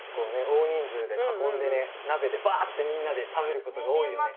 大人数で囲んでね鍋でばあってみんなで食べることが多いよね。